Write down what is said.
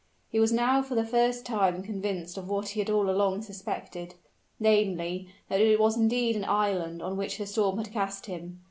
He was now for the first time convinced of what he had all along suspected namely, that it was indeed an island on which the storm had cast him.